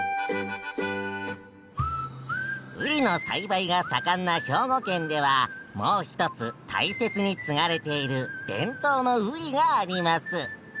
ウリの栽培が盛んな兵庫県ではもう一つ大切に継がれている伝統のウリがあります。